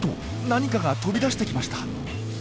何かが飛び出してきました。